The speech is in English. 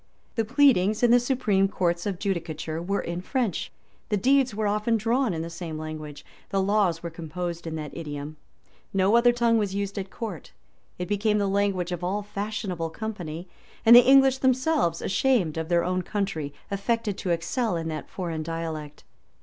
The pleadings in the supreme courts of judicature were in French:[*] the deeds were often drawn in the same language: the laws were composed in that idiom:[] no other tongue was used at court: it became the language of all fashionable company; and the English themselves, ashamed of their own country, affected to excel in that foreign dialect.